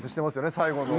最後の。